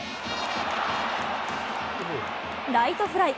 ライトフライ。